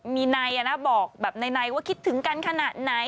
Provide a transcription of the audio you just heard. มีในนะบอกแบบในว่าคิดถึงกันขนาดไหน